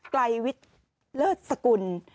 ไกลวิทย์เลิศสกุล